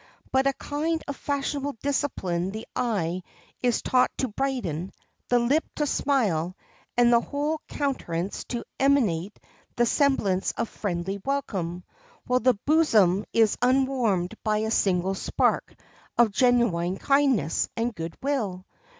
By a kind of fashionable discipline the eye is taught to brighten, the lip to smile, and the whole countenance to emanate the semblance of friendly welcome, while the bosom is unwarmed by a single spark of genuine kindness and good will.